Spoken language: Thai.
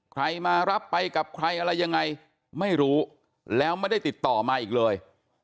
ใครมารับไปกับใครอะไรยังไงไม่รู้แล้วไม่ได้ติดต่อมาอีกเลย